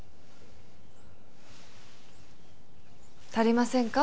足りませんか？